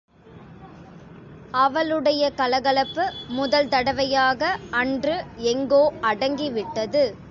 அவளுடைய கலகலப்பு முதல் தடவையாக அன்று எங்கோ அடங்கிவிட்டது.